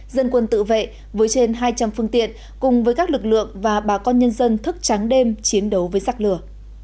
dân quân tự vệ với trên hai trăm linh phương tiện cùng với các lực lượng và bà con nhân dân thức tráng đêm chiến đấu với sắc lửa